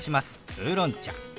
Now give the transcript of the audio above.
「ウーロン茶」。